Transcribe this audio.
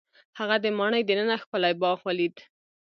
هغه د ماڼۍ دننه ښکلی باغ ولید.